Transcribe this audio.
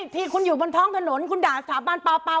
ทีคุณอยู่บนท้องถนนคุณด่าสถาบันเปล่า